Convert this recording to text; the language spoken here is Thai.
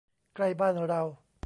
ใกล้บ้านเรา